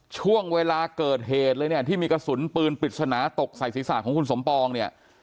ช่วงเวลาเกิดเหตุเลยเนี่ยที่มีกระสุนปืนปริศนาตกใส่ศีรษะของคุณสมปองเนี่ย